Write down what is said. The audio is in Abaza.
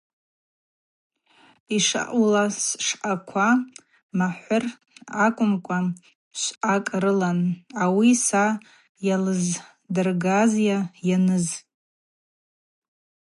Йшаъула, сшвъаква махӏвыр аквымкӏва швъакӏ рылан – ауи са йалыздыргӏазйа йаныз.